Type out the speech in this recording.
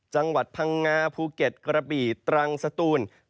จังหวัดพังง้าภูเกตกระปริตรังสะตูล